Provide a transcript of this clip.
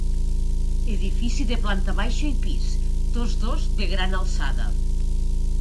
Edifici de planta baixa i pis, tots dos de gran alçada.